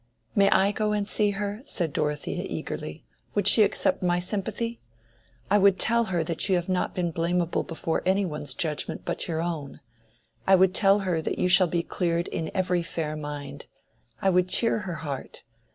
"May I go and see her?" said Dorothea, eagerly. "Would she accept my sympathy? I would tell her that you have not been blamable before any one's judgment but your own. I would tell her that you shall be cleared in every fair mind. I would cheer her heart.